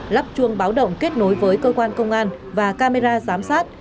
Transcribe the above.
lắp chuông báo động kết nối với cơ quan công an và camera giám sát